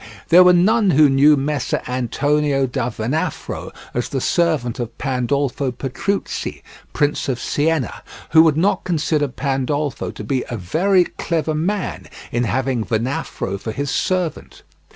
There were none who knew Messer Antonio da Venafro as the servant of Pandolfo Petrucci, Prince of Siena, who would not consider Pandolfo to be a very clever man in having Venafro for his servant.